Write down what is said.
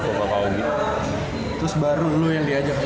terus baru lu yang diajakkan ya